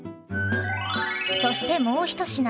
そしてもう一品。